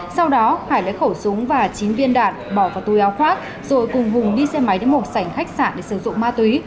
sau đó hải lấy khẩu súng và chín viên đạn bỏ vào túi áo khoác rồi cùng hùng đi xe máy đến một sảnh khách sạn để sử dụng ma túy